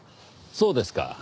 そうですか。